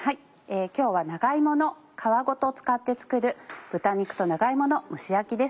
今日は長芋の皮ごと使って作る「豚肉と長芋の蒸し焼き」です。